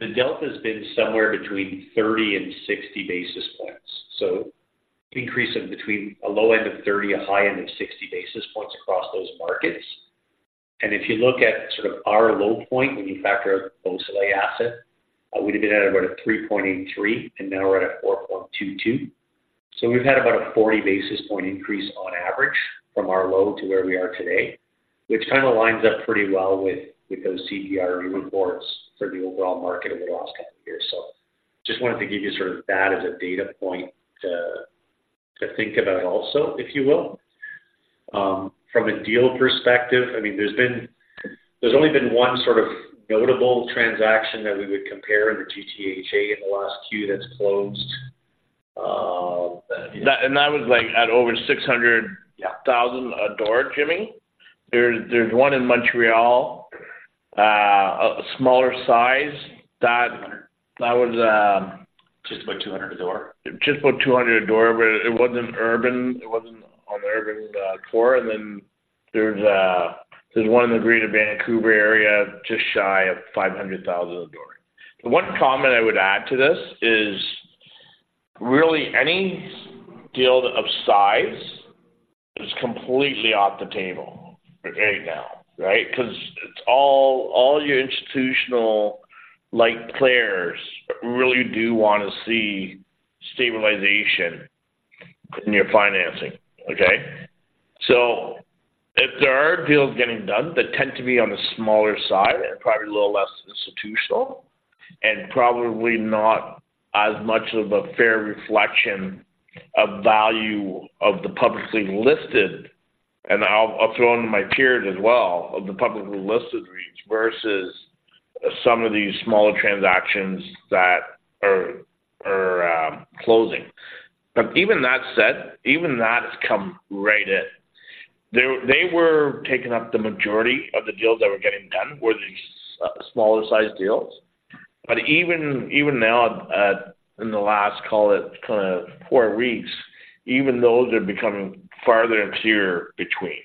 the delta has been somewhere between 30 and 60 basis points. So increase of between a low end of 30, a high end of 60 basis points across those markets. If you look at sort of our low point, when you factor out the Beau Soleil asset, we'd have been at about a 3.83, and now we're at a 4.22. We've had about a 40 basis point increase on average from our low to where we are today, which kind of lines up pretty well with those CBRE reports for the overall market over the last couple of years. Just wanted to give you sort of that as a data point to think about also, if you will. From a deal perspective, I mean, there's only been one sort of notable transaction that we would compare in the GTHA in the last Q that's closed. That, and that was, like, at over 600- Yeah -thousand a door, Jimmy. There's one in Montreal, a smaller size that was- Just about 200 a door. Just about 200 a door, but it wasn't urban, it wasn't on the urban core. And then there's one in the Greater Vancouver area, just shy of 500,000 dollars a door. The one comment I would add to this is really any deal of size is completely off the table right now, right? Because it's all your institutional-like players really do want to see stabilization in your financing, okay? So if there are deals getting done, they tend to be on the smaller side and probably a little less institutional, and probably not as much of a fair reflection of value of the publicly listed. And I'll throw into my period as well, of the publicly listed REITs versus some of these smaller transactions that are closing. But even that said, even that has come right in. They were taking up the majority of the deals that were getting done, were these smaller-sized deals. But even now, in the last, call it, kind of four weeks, even those are becoming farther and fewer between.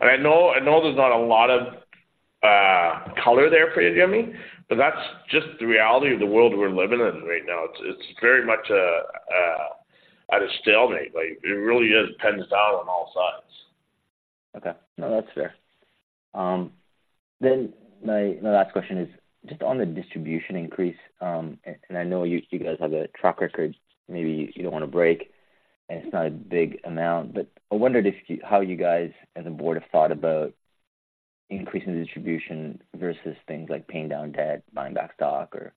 I know there's not a lot of color there for you, Jimmy, but that's just the reality of the world we're living in right now. It's very much at a stalemate. Like, it really is pens down on all sides. Okay. No, that's fair. Then my last question is just on the distribution increase, and I know you guys have a track record maybe you don't want to break, and it's not a big amount, but I wondered if you, how you guys as a board have thought about increasing the distribution versus things like paying down debt, buying back stock, or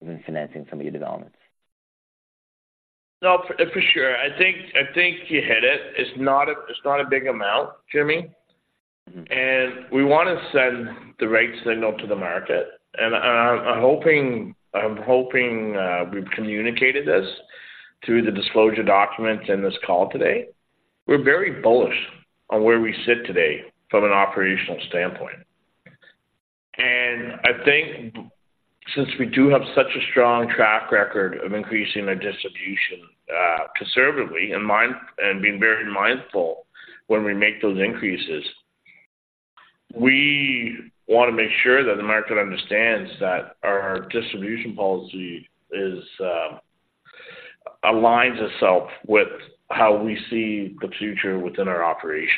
even financing some of your developments? No, for sure. I think you hit it. It's not a big amount, Jimmy. Mm-hmm. We want to send the right signal to the market, and I'm hoping we've communicated this through the disclosure documents in this call today. We're very bullish on where we sit today from an operational standpoint. I think since we do have such a strong track record of increasing our distribution conservatively and being very mindful when we make those increases. We want to make sure that the market understands that our distribution policy is aligns itself with how we see the future within our operations.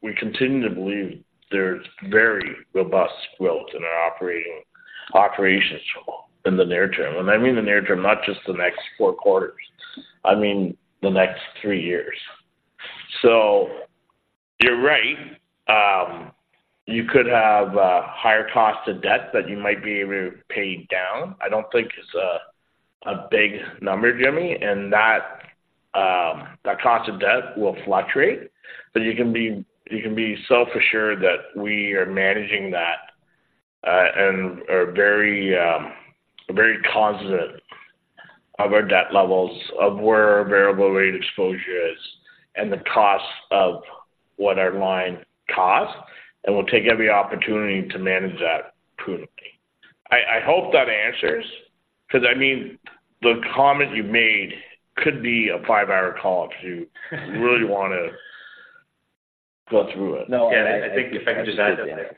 We continue to believe there's very robust growth in our operations in the near term, and I mean, the near term, not just the next four quarters, I mean, the next three years. So you're right, you could have higher cost of debt that you might be able to pay down. I don't think it's a big number, Jimmy, and that cost of debt will fluctuate. But you can be, you can be so assured that we are managing that, and are very, very cognizant of our debt levels, of where our variable rate exposure is, and the costs of what our line costs, and we'll take every opportunity to manage that prudently. I hope that answers, 'cause, I mean, the comment you made could be a five-hour call if you really want to go through it. No, I- Yeah, I think if I could just add there.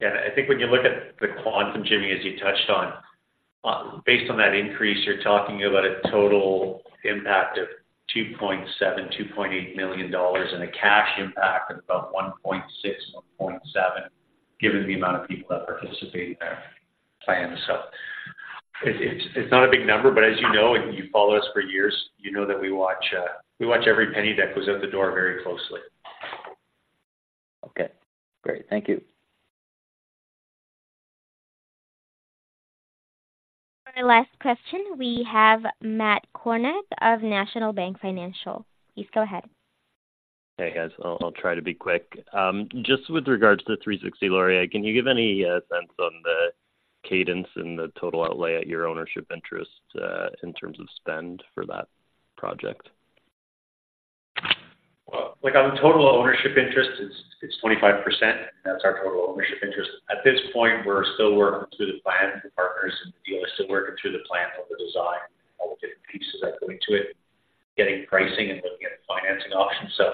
Yeah, I think when you look at the quantum, Jimmy, as you touched on, based on that increase, you're talking about a total impact of 2.7-2.8 million dollars, and a cash impact of about 1.6-1.7 million, given the amount of people that participate in our plan. So it, it's, it's not a big number, but as you know, and you follow us for years, you know that we watch, we watch every penny that goes out the door very closely. Okay, great. Thank you. For our last question, we have Matt Kornack of National Bank Financial. Please go ahead. Hey, guys. I'll try to be quick. Just with regards to the 360 Laurier, can you give any sense on the cadence and the total outlay at your ownership interest in terms of spend for that project? Well, like, on the total ownership interest, it's 25%. That's our total ownership interest. At this point, we're still working through the plan with the partners, and the deal is still working through the plan of the design, all the different pieces that go into it, getting pricing and looking at financing options. So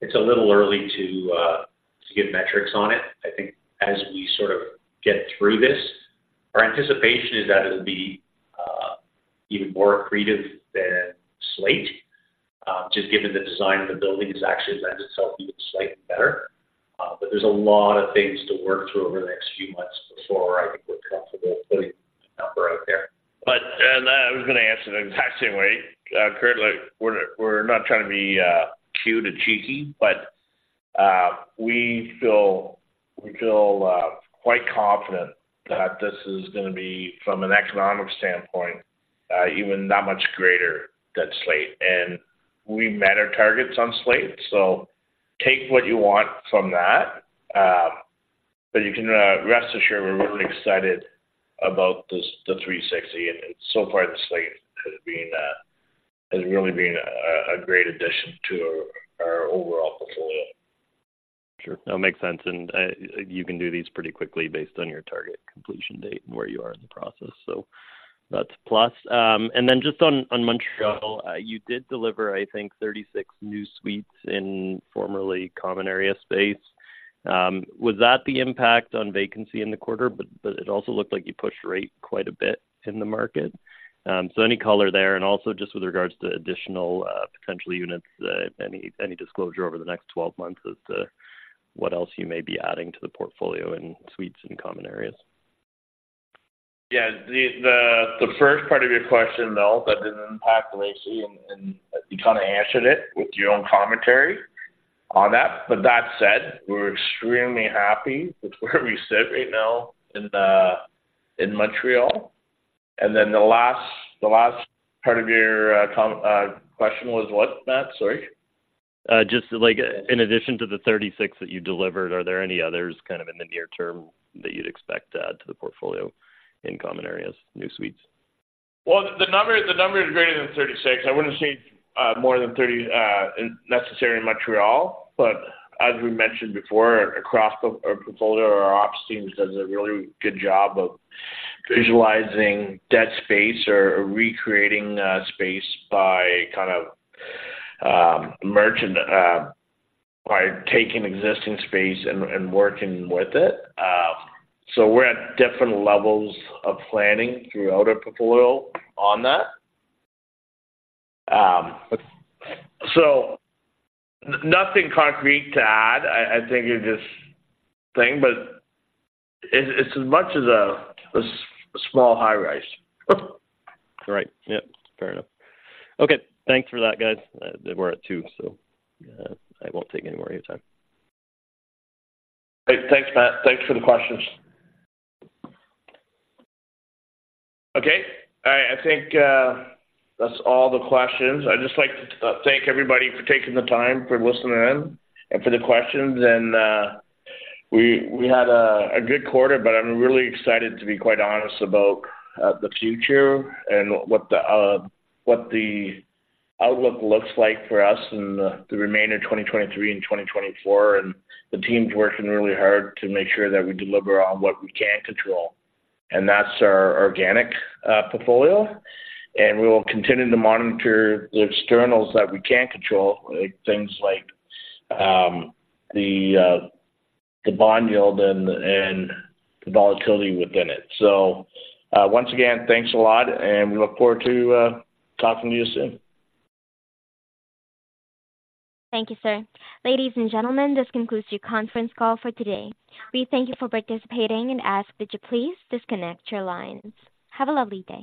it's a little early to give metrics on it. I think as we sort of get through this, our anticipation is that it'll be even more accretive than Slate, just given the design of the building has actually lent itself even slightly better. But there's a lot of things to work through over the next few months before I think we're comfortable putting a number out there. I was going to answer the exact same way. Currently, we're not trying to be cute or cheeky, but we feel quite confident that this is gonna be, from an economic standpoint, even that much greater than Slate. And we met our targets on Slate, so take what you want from that. But you can rest assured, we're really excited about this, the 360, and so far, The Slayte has really been a great addition to our overall portfolio. Sure. No, it makes sense, and you can do these pretty quickly based on your target completion date and where you are in the process. So that's a plus. And then just on Montreal, you did deliver, I think, 36 new suites in formerly common area space. Was that the impact on vacancy in the quarter? But it also looked like you pushed rate quite a bit in the market. So any color there, and also just with regards to additional potential units, any disclosure over the next 12 months as to what else you may be adding to the portfolio in suites and common areas? Yeah, the first part of your question, though, that didn't impact the vacancy, and you kind of answered it with your own commentary on that. But that said, we're extremely happy with where we sit right now in Montreal. And then the last part of your comment, question was what, Matt? Sorry. Just like, in addition to the 36 that you delivered, are there any others kind of in the near term that you'd expect to add to the portfolio in common areas, new suites? Well, the number, the number is greater than 36. I wouldn't say more than 30 necessarily in Montreal, but as we mentioned before, across our portfolio, our ops team does a really good job of visualizing dead space or recreating space by kind of merchant... by taking existing space and working with it. So we're at different levels of planning throughout our portfolio on that. Nothing concrete to add. I think you're just saying, but it's as much as a small high-rise. Right. Yep, fair enough. Okay, thanks for that, guys. We're at two, so, I won't take any more of your time. Great. Thanks, Matt. Thanks for the questions. Okay. All right, I think, that's all the questions. I'd just like to, thank everybody for taking the time, for listening in, and for the questions. And, we had a good quarter, but I'm really excited, to be quite honest, about, the future and what the, what the outlook looks like for us in the, remainder of 2023 and 2024. And the team's working really hard to make sure that we deliver on what we can control, and that's our organic, portfolio. And we will continue to monitor the externals that we can't control, like things like, the, the bond yield and, the volatility within it. So, once again, thanks a lot, and we look forward to, talking to you soon. Thank you, sir. Ladies and gentlemen, this concludes your conference call for today. We thank you for participating and ask that you please disconnect your lines. Have a lovely day.